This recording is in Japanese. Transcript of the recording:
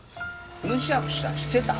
むしゃくしゃしてた？